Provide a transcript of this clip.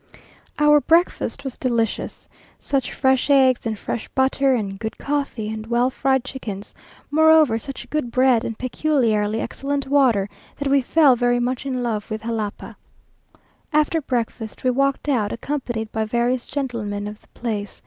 Our breakfast was delicious. Such fresh eggs, and fresh butter, and good coffee and well fried chickens; moreover, such good bread and peculiarly excellent water, that we fell very much in love with Jalapa. After breakfast we walked out, accompanied by various gentlemen of the place.